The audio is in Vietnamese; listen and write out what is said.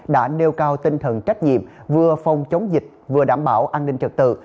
đã nêu cao tinh thần trách nhiệm vừa phòng chống dịch vừa đảm bảo an ninh trật tự